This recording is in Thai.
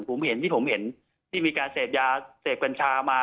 ผมเห็นที่ผมเห็นที่มีการเสพยาเสพกัญชามา